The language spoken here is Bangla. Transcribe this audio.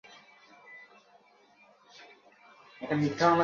আরে উনি কি দিবেন, উনি অনেক লোভী।